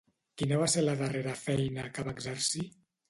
Quina va ser la darrera feina que va exercir?